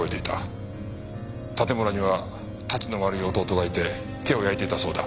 盾村にはタチの悪い弟がいて手を焼いていたそうだ。